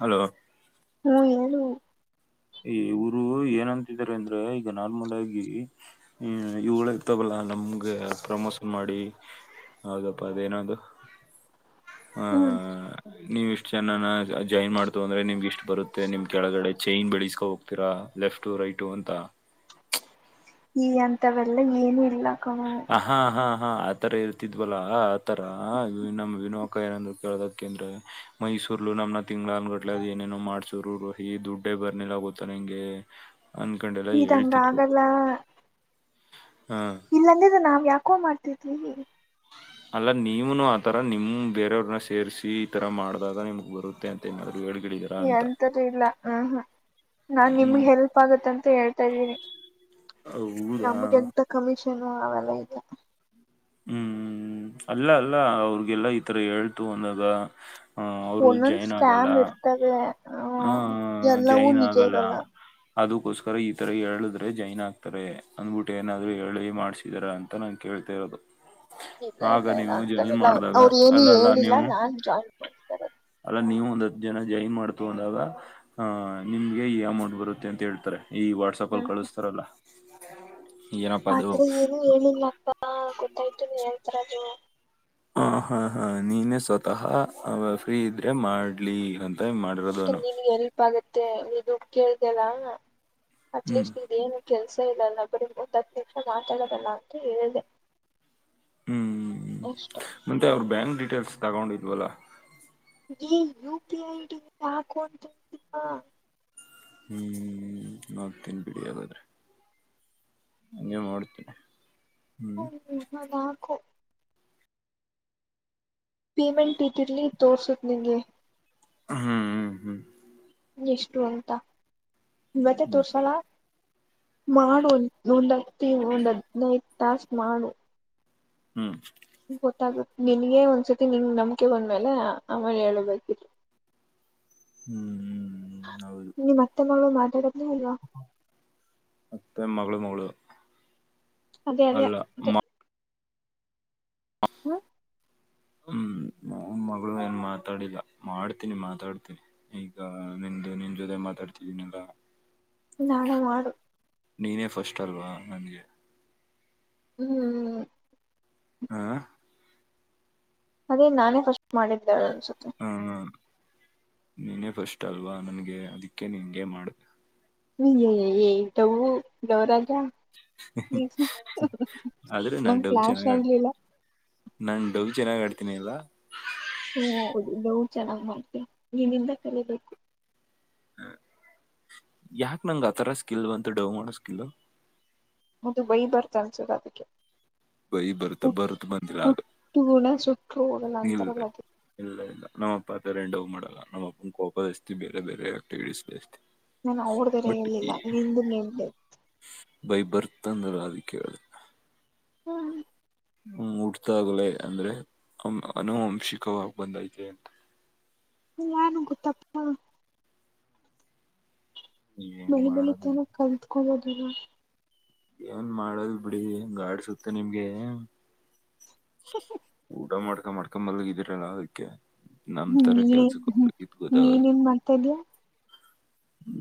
Hello ಹ್ಮ ಹೇಳು. ಈ ಇವರು ಏನಂತಿದ್ದಾರೆ ಅಂದ್ರೆ ಈಗ ನಾರ್ಮಲ್ ಆಗಿ ಹ್ ಇವುಳ ತಗಲ್ಲ ನಮ್ಗೆ ಪ್ರಮೋಷನ್ ಮಾಡಿ ಅದೇನಪ್ಪ ಅದೇನದು. ಹಾ ಹ್ಮ್ ನೀವ್ ಇಷ್ಟು ಜನ ಜಾಯಿನ್ ಮಾಡ್ದೋ ಅಂದ್ರೆ ನಿಮ್ಗೆ ಇಷ್ಟ್ ಬರುತ್ತೆ ನಿಮ್ ಕೆಳಗಡೆ ಚೈನ್ ಬೆಳಸ್ಕೊ ಹೋಗ್ತೀರಾ. ಲೆಫ್ಟು ರೈಟು ಅಂತ. ಈ ಅಂತವೆಲ್ಲ ಏನು ಇಲ್ಲ ಕ ಹಾ ಹಾ ಹಾ ಆತರ ಇರ್ತಿದ್ವಲ್ಲಾ ಆತರ ನಮ್ಮ್ ವಿನುಕ ಏನಂದ್ರು ಕೇಳ್ದಗ. ಯಾಕೇಂದ್ರ ಮೈಸೂರ್ಲುೂ ನಮ್ಮನ್ನ ತಿಂಗಳನ್ಗಟ್ಲೆ ಅದ್ ಏನೇನೋ ಮಾಡ್ಸೂರು ರೋಹಿ ದುಡ್ಡೇ ಬರ್ನಿಲ ಗೊತ್ತಾ ನನಗೆ. ನಗೆ ಇದಂಗಾಗಲ್ಲ ಹ ಇಲ್ಲಂದಿದ್ರೇ ನಾವ್ ಯಾಕೋ ಮಾಡ್ [unintelligible] ತಿದ್ವಿ. ಅಲ್ಲ ನೀವುನು ಆತರ ನಿಮ್ ಬೇರೆಯವ್ರನ್ನ ಸೇರ್ಸಿ ಈ ತರ ಮಾಡ್ದಾಗ ನಿಮ್ಗೆ ಬರುತ್ತೆ ಅಂತ ಎನ ಹಳ್ಗಿಡಿದೀರಾ ಅಂತ. ಹಾ ಹಾ ನಾನ್ ನಿಮ್ಗೆ ಹ್ಮ್ ಹೆಲ್ಪ್ ಆಗತ್ತ ಅಂತ ಹೇಳ್ತಾ ಇದ್ದೀನಿ ಹೌದಾ ನಮಗೆ ಎಂತ ಕಮಿಷ [unintelligible] ಅವೆಲ್ಲ ಇಲ್ಲ. ಹ್ಮ್ ಅಲ್ಲ ಅಲ್ಲ ಅವ್ರಗೆಲ್ಲಾ ಈತರ ಹೇಳ್ತು ಅನ್ನದ. ಹ ಅವರು ಒಂದೊಂದ್ ಜಾಯನ್ ಆಗಲ್ಲ ಸ್ಕ್ಯಾಮ್ ಇರ್ತವೆ ಹ್ಮ ಹ ಹ ಎಲ್ಲವೂ ಜಾಯನ್ ನಿಜ ಆಗಲ್ಲ. ಇರಲ್ಲ ಅದಕ್ಕೋಸ್ಕರ ಈತರ ಹೇಳಿದ್ರೆ ಜಾಯಿನ್ ಆಗ್ತಾರೆ ಅಂದ್ಬಿಟ್ಟು ಏನಾದ್ರು ಹೇಳಿ ಮಾಡ್ಸಿದಾರ ಅಂತ ನಂ ಕೇಳ್ ಕೇಳ್ತಿರೋದು. ಇಲ್ಲ ಆಗ ಇಲ್ಲ ಇಲ್ಲ ನೀವು ಜಾಯಿನ್ ಅಂತವೆಲ್ಲ ಮಾಡ್ದಾಗ ಅವ್ರ ಏನು ಅಲ್ಲ ಅಲ್ಲ ಹೇಳಿಲ್ಲ ನೀವು. ನಾನ್ ಜಾಯಿನ್ ಮಾಡ್ತಾರ ಅಲ್ಲ ನೀವು ಒಂದ್ ಹತ್ತು ಜನ ಜಾಯನ್ ಮಾಡ್ತು ಅಂದಾಗ ಅಹ ನಿಮ್ಗೆ ಈ ಅಮೌಂಟ್ ಬರುತ್ತೆ ಅಂತ ಹೇಳ್ತಾರೆ. ಈ ವಾಟ್ಸಪಲ್ಲಿ ಕಳಸ್ತರಲ್ಲ. ಆ ತರ ಏನು ಹೇಳಿಲ್ಲಪ್ಪ ಗೊತ್ತಾಯ್ತು ನೀನ್ ಹೇಳ್ತಿರೋದು. ಹ ಹಾ ಹಾ ನೀನೇ ಸ್ವತಃ ಫ್ರೀ ಇದ್ರೆ ಮಾಡ್ಲಿ ಅಂ ನಿನ್ಗೆ ಎಲ್ಪ್ ಆಗತ್ತೆ. ದುಡ್ಡು ಕೇಳ್ದಲ್ಲ ಹ್ಮ್ ಅಟ್ಲೀಸ್ಟ್ ಇದೇನು ಕೆಲ್ಸ [unintelligible] ಇಲ್ಲ ಬರಿ ಹತ್ ಹತ್ ನಿಮಿಷ ಮಾತಾಡೋದು ಅಂತ ಹೇಳ್ದೆ. ಹ್ಮ್ ಹ್ಮ ಹ್ಮ ಮತ್ತೆ ಅವ್ರ ಬ್ಯಾಂಕ್ ಡೀಟೇಲ್ಸ್ ತಗೊಂಡಿದ್ವಲ್ಲ. ಈ U P I I D ಹಾಕೋ ಅಂತ [unintelligible] ಹ್ಮ್ ಹ್ಮ್ ನೋಡ್ತೀನ್ ಬಿಡಿ ಹಾಗಾದ್ರೆ. ಹಂಗೆ ಮಾಡ್ತೀನಿ. ಹ್ಮ್ [unintelligible] ಹ್ಮ್ ನಾಕು. ಪೀಮಂಟ್ ಇದರಲ್ಲಿ ತೋರಿಸುತ್ ನಿಂಗೆ. ಹ್ಮ್ ಹ್ಮ್ ಹ್ಮ್ ಎಷ್ಟು ಅಂತ ಇವತ್ತೆ ಹ್ಮ್ ತೋರ್ಸಲ್ಲ. ಮಾಡು ಒಂದ್ ಹತ್ತು ಒಂದ್ ಹದ್ನೈದು ಟಾಸ್ಕ್ ಮಾಡು. ಹ್ಮ್ ಗೊತ್ತಾಗುತ್ತೆ ನಿನಗೆ ಒಂದ್ಸತಿ ನಿ ನಂಬಿಕೆ ಬಂದಮೇಲೆ ಆಮೇಲೆ ಹೇಳಬೇಕಿತ್ತು ಹ್ಮ್ ಹ್ಮ್ ಹೌದು. [unintelligible] ಮಾತಾಡಪ್ ಅತ್ತೆ ಮಗಳ್ ಮಗಳು. ಅದೇ ಅದೇ ಅಲ್ಲ ಅದೇ. ಹ್ಮ ಹ್ಮ್ ಮಾವನ ಮಗಳು ಏನು ಮಾತಾಡಿಲ್ಲ ಮಾಡ್ತೀನಿ ಮಾತಾಡ್ತೀನಿ ಈಗ ನಿಂದು ನಿನ್ ಜೊತೆ ಮಾತಾಡಿ. ಎನಿಲ್ಲ. ನಾಳೆ ಮಾಡು ನೀನೇ ಫಸ್ಟ್ ಅಲ್ವಾ ನನಗೆ ಹ್ಮ್ ಆ [unintelligible] ಅದೇ ನಾನೇ ಫಸ್ಟ್ ಮಾಡಿದ್ದಾಳ ಹಾ ನೀನೇ ಫಸ್ಟ್ ಅಲ್ವಾ ನನಗೆ ಅದಕ್ಕೆ ನಿಗೆ ಮಾಡ ಹಏ [unintelligible] ಡವ್ ಗವರಾಜ [unintelligible] ನಂಗ ಫ್ಲಾಶ್ ಆಗ್ಲಿಲ್ಲ ನಾ ಡವ್ ಚೆನ್ನಾಗ್ ಆಡ್ತೀನಿ ಎಲ್ಲ ಹ ಹೌದು ಡವ್ ಚೆನ್ನಾಗ್ ಮಾಡ್ತಿಯಾ ನೀನಿಂದ ಕಲಿಬೇಕು ಹ ಯಾಕ ನಂಗ ಆಥರ ಸ್ಕಿಲ್ ಡವ ಮಾಡೋ ಸ್ಕಿಲ್ ಮುದು ಬೈ ಬರ್ತ ಅನಿಸುದು ಅದಕ್ಕೆ ಬೈ ಬರುತ ಹುಟ್ ಬರುತ್ ಮಂಜಿರಾಳ ಹುಟ್ಟು ಗುಣ ಸುಟ್ರು ಹೋಗಲ್ಲ ನೀಲ್ ಅಂತಾರಲ್ಲ ಅದು ಇಲ್ಲರಿಲ್ಲ ನಮ್ಮ ಅಪ್ಪಾ ತರ ಎಂಡ [unintelligible] ಹೋಗ ಮಾಡ ಕೋಪಸ್ತಿ ಬೇರೆ ಬೇರೆ [unintelligible] ಬಿಷ್ಟತಿ ನಾನು ಅವಡ್ದರೆ ಇೇಲಿಲ್ಲ ನಿಂದು ನಿಂದೆ [unintelligible] [inaudible] ಹ್ಮ ಉಡ್ತಾಗಲ ಅಂದ್ರೆ ಅನುಂಶಿಕವಾಗ ಬಂದಐತೆ ಅಂತ ಯನ್ ಗತ್ತಪ್ಪ [unintelligible] ಏನ್ ಬೆಳಿ ಬೆಳಿ ಮಾಡೋದು ತಾನ ಕತ್ಕೊಳ್ಳದಿಲ್ಲ ಏನ್ ಮಾಡದ ಬಿಡಿ ಗಾಡ್ ಸುತ್ತ ನಿಮ್ಗೆ ಊಟ ಮಾಡ್ಕೊಂಡ್ ಮಾಡ್ಕೊಂಡ್ ಮಲಗಿದೀರಾ ಅದಕ್ಕೆ ನಮ್ ಹ್ಮ್ ತರ ಕೆಲ್ಸಕ್ ನೀನೇ್ಮ ಹೋಗ್ಬೇಕಿದ್ ಗೊತ್ತಾಗಲ್ಲ ನೀನೇನ್ ಮಾಡ್ತಾ ಇದ್ಯಾಾ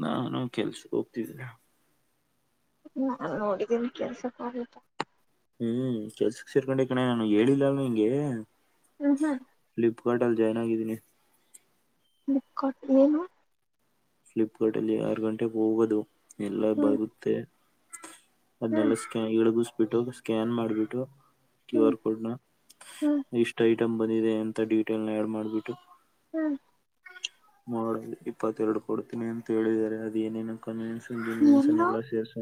ನಾನು ಕೆಲ್ಸ ಹೋಗ್ತಿದ್ದನೆ ನಾನ್ ನೋಡಿದ್ದೇನಿ ಕೆಲ್ಸ [unintelligible] ಹ್ಮ್ ಕೆಲ್ಸಕ್ ಸೇರ್ಕೊಂಡೆ ಕಣೆ ನಾನು ಹೇಳಿಲ್ಲಲ್ ನಿಂಗೆ ಹ್ಮ ಹ್ಮ ಹಟಲ್ ಜೆನಾಗಿದ್ದೀನಿ ಮುಟ್ ಏನು ಫ್ಲಿಪ್ಕಾರ್ಟ್ ಅಲ್ಲಿ ಆರು ಗಂಟೆೆಗೆ ಹೋಗೋದು ಎಲ್ಲ ಹ್ಮ್ ಬರುಗತ್ತೆ ಹ್ಮ್ ಅದ್ನೆಲ್ಲಾ ಸ್ಕ್ಯಾ ಇಳಗಿಸ್ಬಿಟ್ಟು ಸ್ಕ್ಯಾನ್ ಮಾಡ್ಬಿಟ್ಟು ಕ್ಯ ಹ್ಮ್ ಆರ್ ಕೋಡ್ ನ ಹ್ಮ್ ಇಷ್ಟ್ ಐಟಮ್ ಬಂದಿದೆ ಅಂತ ಡೀಟೇಲ್ ನ ಆಡ್ ಮಾಡ್ಬಿಟ್ಟು ಹ್ಮ್ ನೋಡದು ಇಪ್ಪತ್ತೆರಡು ಕೊಡ್ತೀನಿ ಅಂತ ಹೇಳಿದಿದ್ದಾರೆ ಅದ ಏನೇನ ಕನ್ನ್ಸನ್ನ್ನ್ಸನ್ ಎಲ್ಲೋ ಎಲ್ಲ ಸೇರಿಸ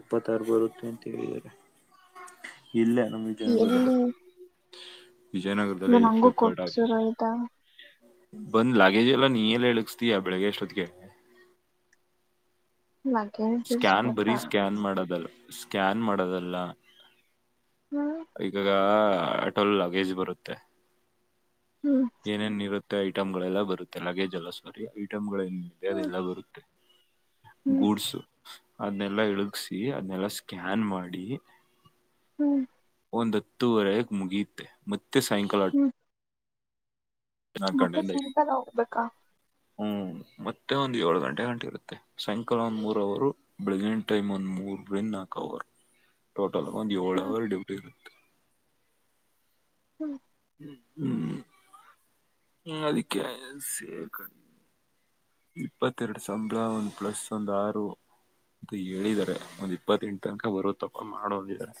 ಇಪ್ಪತ್ತಾರು ಬರುತ್ತೆ ಅಂತ ಹೇಳಿದ್ದಾರೆ ಎಲ್ಲಿ [unintelligible] ಇ ವಿಜಯನಗರದಲ್ಲಿದಲ್ಲಿ ನಂಗೂ ಶೇಪಕಟ ಕೊಪ್ಸೂರು ಆಯ್ತಾ ಬಂದ್ ಲಾಗೇಜ್ ಎಲ್ಲಾ ನೀ ಎಲ್ಲ ಎಳಕ್ಸ್ತೀಯ ಬೆಳಿಗ್ಗೆ ಎಷ್ಟೊತ್ತಿಗೆ ಲಗೇಜ್ ಸ್ಕ್ಯಾನ್ ಬರೀ ಬಿಡಿಸಬೇಕಾ ಸ್ಕ್ಯಾನ್ ಮಾಡದಲ್ಲ ಸ್ಕ್ಯಾನ್ ಮಾಡೋದಲ್ಲ ಹ್ಮ್ ಈಗ ಅಟೋಲ್ ಲಗೇಜ್ ಬರುತ್ತೆ ಹ್ಮ್ ಏನೇನ್ ಇರುತ್ತೆ ಐಟಮ್ ಗಳೆಲ್ಲಾ ಬರುತ್ತೆ ಅಲ್ಲೆ ಜಲ ಸವರಿ ಐಟಮ್ ಗಳು ಏನ್ ಇದೆ ಹ್ಮ್ ಅದೆಲ್ಲ ಬರುತ್ತೆ ಹ್ಮ್ ಗೂಡ್ಸು ಅದನೆಲ್ಲ ಇಳಕ್ಸಿ ಅದನೆಲ್ಲ ಸ್ಕ್ಯಾನ್ ಮಾಡಿ ಹ್ಮ್ ಒಂದ ಹತ್ತುವರೆಗೆ ಮುಗಿಯುತ್ತೆ ಮತ್ತೆ ಸಾಯಂಕಾಲ ಹ್ಮ್ ನಾಲ್ಕು ಮತ್ತೆ ಗಂಟೆಯಿಂದ ಐದು ಸಾಯಂಕಾಲ ಹೋಗ್ಬೇಕಾ ಹ್ಮ್ ಮತ್ತೆ ಒಂದ್ ಏಳ ಗಂಟೆ ಗಂಟೆ ಇರುತ್ತೆ ಸಾಯಂಕಾಲ ಒಂದ್ ಮೂರ ಅವರು ಬೆಳಗಿನ ಟೈಮ್ ಒಂದ್ ಮೂರರಿಂದ ರ್ ಟೋಟಲ ಒಂದು ಹ್ಮ್ ಏಳುರ್ ಡ್ಯೂಟಿ ಹ್ಮ್ ್ಮ ಹ್ಮ್ ಹ್ಮ ಅದಕ್ಕೆ ಸೇ ಇಪ್ಪತ್ತೆರಡು ಸಂಬಳ ಒಂದು ಪ್ಲಸ್ ಒಂದ ಆರು ಅಂತ ಹೇಳಿದಿದ್ದಾರೆ ಒಂದ್ ಇಪ್ಪತ್ತೆಂಟು ತನಕ ಬರು ತಪ್ಪ ಮಾಡೋಂದಿದ್ದಾರೆ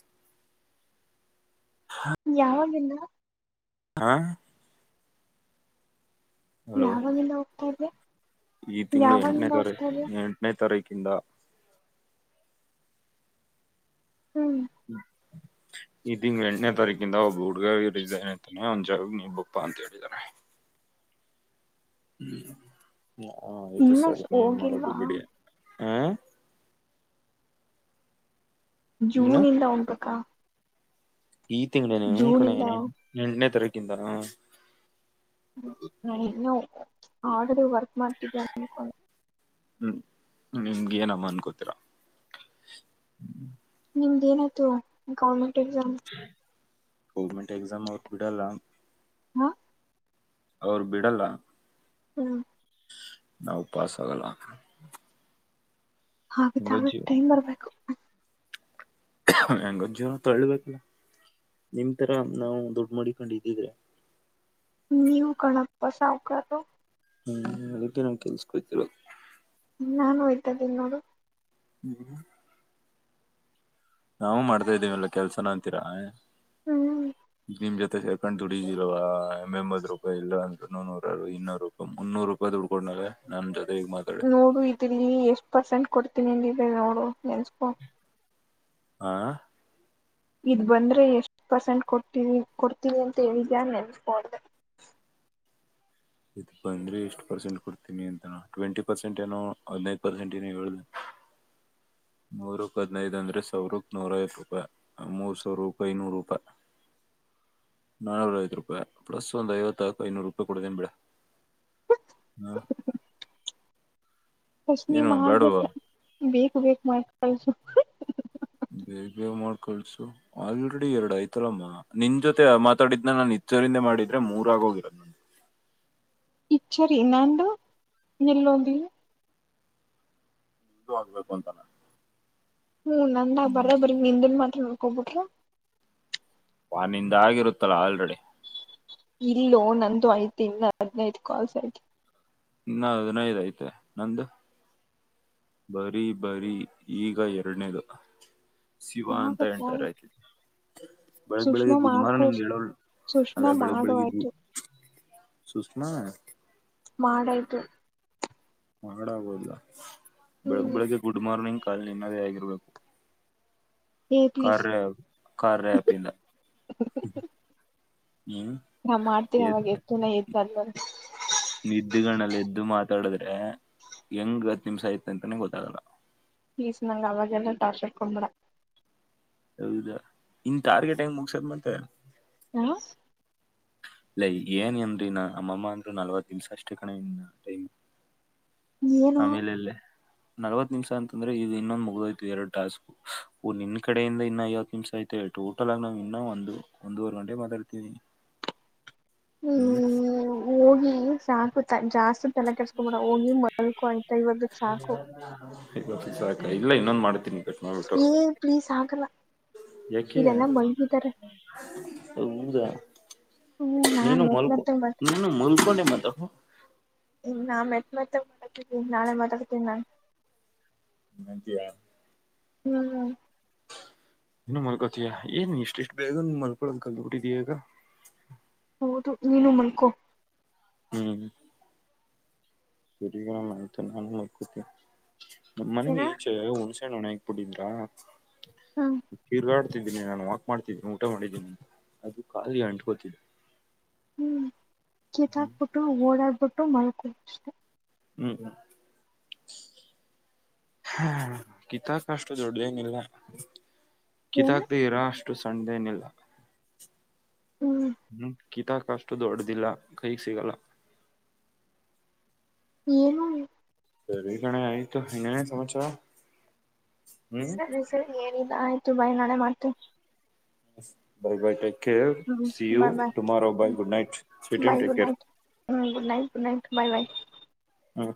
ಹಾ ಯಾವಾಗಿಂದ ಹಾ ಹಲೋ ಯಾವಾಗಿಂದ ಹೋಗ್ತಾ ಇದ್ದೆ ಈ ತಿಂಗಳು ಎಂಟನೇ ಯಾವಾಗಿಂದ ತಾರ ಹೋಗ್ತಾ ಇದ್ದೆ ಎಂಟನೇ ತಾರಿಕ್ ಕ್ಕಿಂದ ಹ್ಮ್ ಇದಿಂಗ್ ಎಂಟನೇ ತಾರೀಕಿಂದ ಒಬ್ಬ ಹುಡ್ಗಾವಿ ರ ಇದ ಏನಐತಾನೆ ಒಂದ್ ಜಾಗ ನೀ್ ಬಪ್ಪಾ ಅಂತ ಹೇಳಿದಿದ್ದಾರೆ ್ಮ ಹ ಆಯ್ತು ಇನ್ನು ಸರಿ ನೀ ಏನ್ ಮಾಡೋದು ಹೋಗಿಲ್ವಾ ಬಿಡಿ ಹ ಜೂನ ಏನು ಇಂದ ಹೋಗ್ಬೇಕಾ ಈ ತಿಂಗಗಳ ಹ ಜೂನ್ ಕಣೆ ಇಂದ ಎಂಟನೇ ತರೀಕಿಂದ ನಾ ಇನ್ನುೂ ಆಡರು ವರ್ಕ್ ಮಾಡ್ತಿದ್ದೇ ಅನ್ಕೊಂಡ ಹ್ಮ್ ನಿಮ್ಗೆ ಏನಮ್ಮ ಅನ್ಕೋತೀರ ನಿಮ್ದ ಏನಾಯಯ್ತು ಗೌರ್ಮೆಂಟ್ ಎಕ್ಸಾಮ್ ಗೌರ್ಮೆಂಟ್ ಎಕ್ಸಾಮ್ ಅವ್ರಗ್ ಬಿಡಲ್ಲ ಹಾ ಅವರು ಬಿಡಲ್ಲ ಹ್ಮ ನಾವು ಪಾಸ ಆಗಲ್ಲ ಆತ್ ಹೆಂಗೋ ಆಗತ್ ಜೀವ ಟೈಮ್ ಬರ್ಬೇಕು ಹೆಂಗೊ್ ಜವರ ತಳ್ಬೇಕಲ್ಲ ನಿಮ್ ತರ ನಾವು ದದುಡ್ಡು ಮಡಿಕೊಂಡ ಇದ್ದಿದ್ರೆ ನೀವು ಕಣಕ್ ಪಸಾವ್ಕದು ಹ್ಮ್ ಅದಕ್ಕೆ ನಾವ ಕೆಲ್ಸಕೊತಿರ ನಾನು ಹಯ್ತ್ದೀಿ ನೋಡು ಹ್ಮ ನಾವವು ಮಾಡ್ತಾ ಇದೀವಿಲ್ಲ ಕೆಲ್ಸನ ಅಂತೀರಾ ಹ್ಮ್ ನಿಮ್ ಜೊತೆ ಸೇರ್ಕೊಂಡ ದುಡಿದಿಲ್ವ ಎಂಬತ್ ರೂಪಾಯಿ ಇಲ್ಲ ಅ ನೂರರು ಇನ್ನೂರು ರೂಪಾಯ ಮುನ್ನೂರು ರೂಪಾಯ ಹಡ್ಕೊಂಡ ನಂದ ನೋಡು ಇದಿಲ್ಲಿ ಎಷ್ಟು ಪರ್ಸೆಂಟ್ ಕೊಡ್ತೀನಿ ಎಂದಿದ್ದ ನೋಡು ನೆನ್ಸ್ಕೋ ಆ ಇದ್ ಬಂದ್ರೆ ಎಷ್ಟು ಪರ್ಸೆಂಟ್ ಕೊಡ್ತೀವಿ ಕೊಡ್ತೀವಿಿ ಅಂತ ಹೇಳಿದ್ಯಾ ನೆನ್ಸ್ ಕೊ ಅಂದೆ [inaudible] ಇ ಬಂದ್ರೆ ಎಷ್ಟ್ ಪರ್ಸೆಂಟ್ ಕೊಡ್ತೀನಿ ಅಂತಾನ ಟ್ವೆಂಟಿ ಪರ್ಸೆಂಟ್ ಏನೋ ಹದ್ೈದು ಪರ್ಸೆಂಟ್ ಏನ ಹೇಳ್ದ ನೂರಕ್ ಹದಿನೈದ ಅಂದ್ರೆ ಸಾವಿರಕ್ ನೂರ ವತ್ತು ರೂಪಾಯಿ ಮೂರ್ ಸಾವಿರ ರೂಪಾಯಿ ನೂರು ರೂಪಾಯಿ ನಾನೂರ ಐವತ್ತು ರೂಪಾಯಿ ಪ್ಲಸ್ ಒಂದ ಐವತ್ತಾಲ್ಕು ಐನೂರು ರೂಪಾಯಿ ಕೊಡಿದೆೇನ್ ಬಿೇಡ ಹಾ ಫಸ್ಟ್ ನೀವು ಏನು ಮಾಡ್ಬೇಕ ಬೇಡವಾ ಬೇಕು ಬೇಕ ಮಾಡ್ ಕಳ್ಸು ಬೇಗ ಮಾಡ್ ಕಳ್ಸು ಆಲ್ರೆಡಿ ಎರಡ್ ಆಯ್ತಲ್ಲಮ್ಮ ನಿನ್ ಜೊತೆ ಮಾತಾಡಿದ್ನ ನಾನ ಇದ ಹೆಚ್ಚೋರಿಂದ ಮಾಡಿದ್ರೆ ಮೂರ ಆಗೋಗಿರದು ನಗೆ ಇಚರಿ ನಂದು ನಿಲ್ಲೋದು ಇದು ಆಗ್ಬೇಕು ಅಂತಲ್ಲ ಹ್ಮ್ ನಂದ ಬರೋ ಬರೀ ನಿಂದನ್ ಮಾತ್ರ ನೋಡ್ಕೊಂಡ್ ಬಿಟ್ರೆ ವೋ ನಿಂದ ಆಗಿರುತ್ತಲ್ಲ ಆಲ್ರೆಡಿ ಇಲ್ಲೋ ನಂದು ಐತೆ ಇನ್ ಹದ್ನೈದು ಕಾಲ್ಸ್ ಐತೆ ಇನ್ನಾ ಹದಿನೈದ ಐತೆ ನಂದು ಬರೀ ಬರೀ ಈಗ ಎರಡನೇದು ಶಿವ ಅಂತ ಆಗತ್ತಾ ಎಂಟರ್ ಆಯಿತ ಬೆಳಗ್ ಬೆಳಗ್ಗೆ ಸುಷ್ಮಾ ಗುಡ್ ಮಾಡ್ಕೊಡ್ ಮಾರ್ನಿಂಗ್ ಹೇಳೋಳ ಸುಷ್ಮಾ ಅಲ್ಲ ಬೆಳಗ್ ಮಾಡು ಬೆಳಿಗ್ಗೆ ಗು ಆಯ್ತು ಸುಷ್ಮಾ ಮಾಡಾಯ್ತು ಮಾಡಾಗ ಹೋಡ್ಲಾ ಬೆಳಗ್ ಹ್ಮ್ ಬೆಳಗ್ಗೆ ಗುಡ್ ಮಾರ್ನಿಂಗ್ ಕಾಲ ನಿನ್ನದೇ ಆಗಿರ್ಬೇಕು ಏ ಪ್ಲೀಸ್ ಕಾರ್ಯ ಕಾರ್ಯ ಆ್ಯಪ್ ಇಂದ ಹ್ಮ್ ನಾ ಮಾಡ್ತೀನೀ ಅವಾಗ ಎತ್ತುನ ಇಲ್ವಲ್ಲ ನಿದ್ದುಗನಲ್ಲಿ ಎದ್ದು ಮಾತಾಡದ್ರೆ ಹೆಂಗ್ ಹತ್ತು ನಿಮಿಷ ಐತೆ ಅಂತಾನೇ ಗೊತ್ತಾಗಲ್ಲ ಪ್ಲೀಸ್ ನಂಗ ಅವಾಗೆಲ್ಲ ಟಾರ್ಚರ್ ಕೊಡಬೇಡ ಹೌದಾ ಇನ್ ಟಾರ್ಗೆಟ್ಟ ಹೆಂಗ್ ಮುಗಸದ್ ಮತ್ತೆ ಹ ಲೈ ಏನ್ ನೇಮದಿ ಅಮ್ಮಮ್ಮಾ ಅಂದರು ನಲ್ವತ್ತ ನಿಮಿಷ ಅಸ್ಟೇ ಕಣೆ ಲೆ ಏನು ಆಮಲೆ ಏಲ್ಲೇ ನಲ್ವತ್ ನಿಮಿಷ ಅಂದ್ರೆ ಇದು ಇನೊಂದು ಮುಗ್ದೋಯ್ತು ಎರಡ್ ಟಾಸ್ಕ್ ವೋ ನಿನ್ ಕಡೆಯಿಂದ ಇನ್ನ ಐವತ್ತು ನಿಮಿಷ ಐತೆ ಟೋಟಲ್ ಆಗಿ ನಾವು ಇನ್ನ ಒಂದು ಒಂದೂವರೆ ಗಂಟೆ ಮಾತಾಡ್ತೀನೀ [unintelligible] ಹ್ಮ್ ಹೋಗಿ ಸಾಕು ಟೈ ಜಾಸ್ತಿ ಸು ತಲೆ ಕೆಡಿಸ್ಕೋಬೇಡ ಹೋಗಿ ಮಲ್ಕೊ ಆಯ್ತಾ ಇವಾಗ ಸಾಕು ಇಲ್ಲ ಇನ್ನೊಂದು ಮಾಡ ಈ ಪ್ಲೀಸ್ ಆಗಲ್ಲ ಯಾಕೆ ಇಲ್ಲೆಲ್ಲ ಮಲ್ಗಿದ್ದಾರೆ ಹೌದಾ ಹ್ಮ್ ನಾನ್ ನೀನು ಮತ್ ಮಲ್ಕೊ ಮತ್ತ ನೀನು ಮಲ್ಕೊಂಡೆ ಮಾತಾಡು ಹ ನಾ ಮೆತ್ ಮೆತ್ತಗೆ ಮಾತಾಡತಿದೀನಿ ನಾಳೆ ಮಾತಾಡ್ತಿನಿ ನಾನು ಹಂಗಂತಿಯ ಹ್ಮ್ ಹ್ಮ್ ನೀನು ಮಲ್ಕೋತಿಯ ಏನ ಇಷ್ಟು ಬೇಗ ಮ್ಯಾಲ್ಕೊಳೋಡು ಕಲ್ತ ಬಿಟ್ಟಿದ್ದೀಯ ಈಗ ಹೌದು ನೀನು ಮಲ್ಕೋ ಹೂ ಸರಿ ಆಯ್ತು ನಾನು ಮಲ್ಕೋತೀನಿ ನಮ್ಮ ಮನೆ ಏನ ಇಚೆ ಹುಣ್ ನ ಹಕ್ಬಿಟ್ಟಿದ್ರಾ ಹ ತಿರ್ಗಾಡ್ ಡಾ ನಾನು ವಾಕ್ ಮಾಡ್ತಿದ್ದೀನಿ ಊಟ ಮಾಡಿದ್ದೀನಿ ಅದು ಖಾಲಿ ಅಂಟ್ಕೋತಿದೇ ಹ್ಮ್ ಕೀತ ಹಾಕ್ಬಿಟ್ಟು ಓಡಾಡ್ಬಿಟ್ಟು ಮಲ್ಕೋ ಅಷ್ಟೇ ಹ್ಮ್ ಹಾ ಕಿತ್ತು ಹಾಕುವಷ್ಟು ದೊಡ್ದೇನಿಲ್ಲ ಏನ ಕಿತಾಕ್ದೆ ಇರುವಷ್ಟು ಅಷ್ಟು ಸಣ್ಣದೇನಿಲ್ಲ ಹ್ಮ್ ಕಿತಕಾ ಆಷ್ಟ ದೊಡ್ಡದಿಲ್ಲ ಕೈ ಸಿಗಲ್ಲ ಏನು ಇದು ಸರಿ ಕಣೆ ಆಯ್ತು ಇನ್ನೇನೇ ಸಮಾಚಾರ ಹ್ಮ್ ಸರಿ ಸರಿ ಎನ್ನಿಲಾ ಆಯ್ತ ಬೈ ನಾಳೆ ಮಾಡ್ತೀನಿ ಸರಿ ಬೈ ಟೇಕ್ ಕೇರ ಹ್ಮ್ see you bye bye tomorrow bye good night sweet dream take care ಹ್ಞ good night good night bye bye ಹ್ಮ